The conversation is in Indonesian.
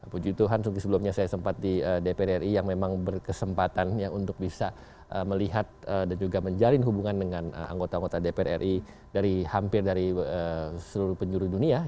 puji tuhan sebelumnya saya sempat di dpr ri yang memang berkesempatan untuk bisa melihat dan juga menjalin hubungan dengan anggota anggota dpr ri dari hampir dari seluruh penjuru dunia